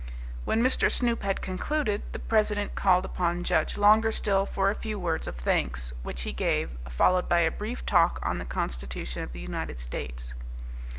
When Mr. Snoop had concluded, the president called upon Judge Longerstill for a few words of thanks, which he gave, followed by a brief talk on the constitution of the United States.